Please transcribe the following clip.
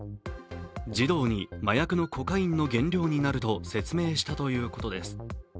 児童に麻薬のコカインの原料になると説明したということです。